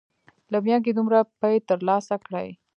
له مېږې دومره پۍ تر لاسه کړې.